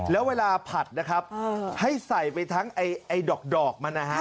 แล้วเวลาผัดนะครับให้ใส่ไปทั้งไอ้ดอกมันนะฮะ